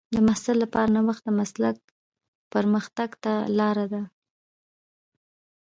د محصل لپاره نوښت د مسلک پرمختګ ته لار ده.